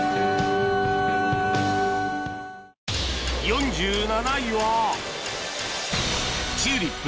４７位は